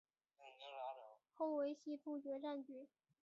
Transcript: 后为西突厥占据。